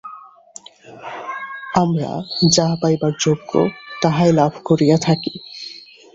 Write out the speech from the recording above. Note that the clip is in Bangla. আমরা যাহা পাইবার যোগ্য, তাহাই লাভ করিয়া থাকি।